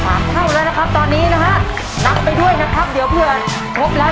เท่าแล้วนะครับตอนนี้นะฮะนับไปด้วยนะครับเดี๋ยวเผื่อครบแล้ว